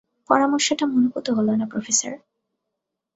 পরামর্শটা মনোঃপুত হলো না, প্রফেসর!